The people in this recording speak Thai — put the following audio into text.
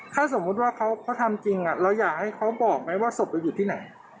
ถ้าสมมุติว่าเขาทำจริงเราอยากให้เขาบอกไหมว่าศพเราอยู่ที่ไหน